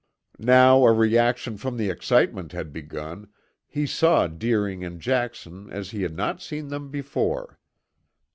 Now a reaction from the excitement had begun, he saw Deering and Jackson as he had not seen them before.